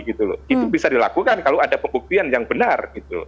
itu bisa dilakukan kalau ada pembuktian yang benar